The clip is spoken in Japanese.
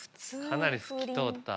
かなり透き通った。